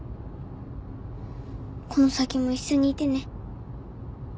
この先も一緒にいてね。